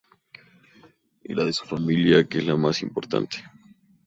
Y la de su familia, que es la más importante...